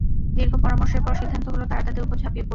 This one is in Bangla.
দীর্ঘ পরামর্শের পর সিদ্ধান্ত হল, তারা তাদের উপর ঝাপিয়ে পড়বে।